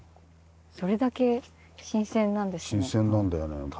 それだけ新鮮なんですね。